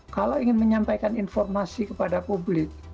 kalau ingin menyampaikan informasi kepada publik